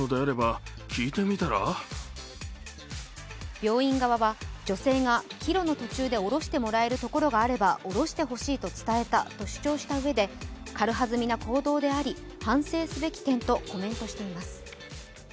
病院側は女性が、帰路の途中で降ろしてもらえる所があれば降ろしてほしいと主張したうえで軽はずみな行動であり反省すべき点とコメントしています。